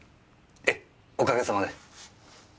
ええおかげさまで。